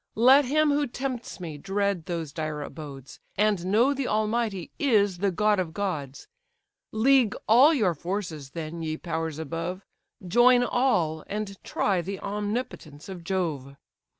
Let him who tempts me, dread those dire abodes: And know, the Almighty is the god of gods. League all your forces, then, ye powers above, Join all, and try the omnipotence of Jove.